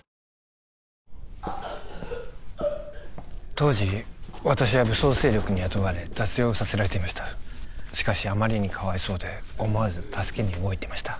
当時私は武装勢力に雇われ雑用をさせられていましたしかしあまりにかわいそうで思わず助けに動いてました